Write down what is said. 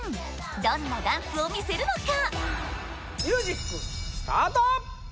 どんなダンスを見せるのか？